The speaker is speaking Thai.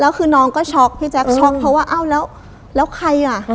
แล้วคือน้องก็ช็อกพี่แจ๊คช็อกเพราะว่าเอ้าแล้วแล้วใครอ่ะ